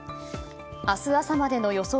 明日朝までの予想